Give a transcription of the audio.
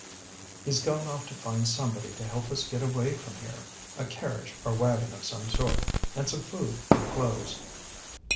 "He's gone off to find somebody to help us get away from here: a carriage or wagon of some sort, and some food and clothes."